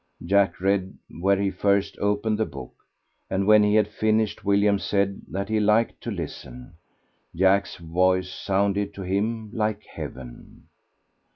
Jack read where he first opened the book, and when he had finished William said that he liked to listen. Jack's voice sounded to him like heaven.